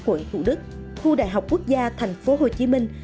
khu đại học quốc gia thành phố hồ chí minh